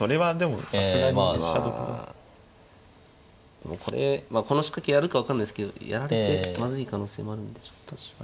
でもこれまあこの仕掛けやるか分かんないですけどやられてまずい可能性もあるんでちょっと。